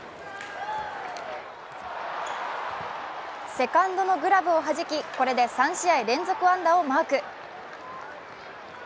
セカンドのグラブを弾き、これで３試合連続安打をマーク。